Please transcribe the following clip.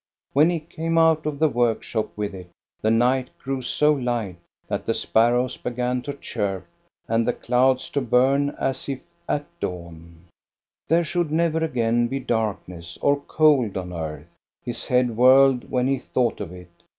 When he came out of the work shop with it, the night grew so light that the sparrows began to chirp and the clouds to burn as if at dawn. kevenhOller 425 There should never again be darkness or cold on earth. His head whirled when he thought of it.